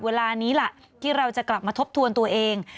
เวลานี้ล่ะที่เราจะกลับมาทบทวนตัวเอง